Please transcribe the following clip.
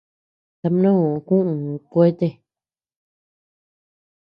Tamnoo kuʼuu kuete.